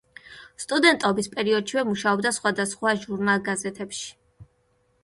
სტუდენტობის პერიოდშივე მუშაობდა სხვადასხვა ჟურნალ-გაზეთებში.